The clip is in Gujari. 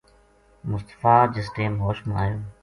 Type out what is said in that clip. مصطفی جس ٹیم ہوش ما آیو